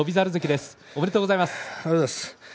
ありがとうございます。